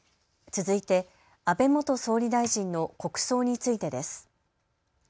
続いて安倍元総理大臣の国葬についてです。